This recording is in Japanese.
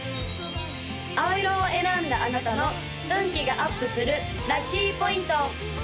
青色を選んだあなたの運気がアップするラッキーポイント！